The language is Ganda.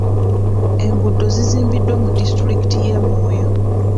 Enguudo zizimbiddwa mu disitulikiti y'e Moyo.